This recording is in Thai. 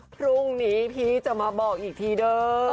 พรุ่งนี้พี่จะมาบอกอีกทีเด้อ